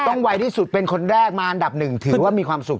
ไวที่สุดเป็นคนแรกมาอันดับหนึ่งถือว่ามีความสุข